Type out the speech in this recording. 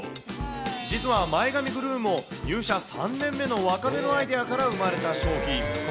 実は前髪グルーも、入社３年目の若手のアイデアから生まれた商品。